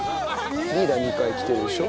「リーダー２回来てるでしょ」